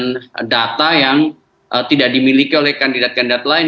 dan data yang tidak dimiliki oleh kandidat kandidat lain